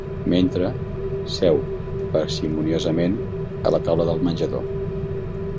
Mentre, seu parsimoniosament a la taula del menjador.